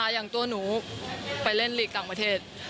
อย่างตัวหนูไปเล่นลีกต่างประเทศ